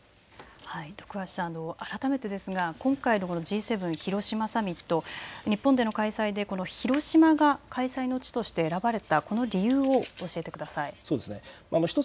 徳橋さん、改めて今回のＧ７広島サミット、日本での開催で広島が開催の地として選ばれたその理由を教えてください。